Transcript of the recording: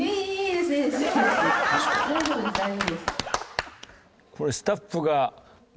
大丈夫です大丈夫です！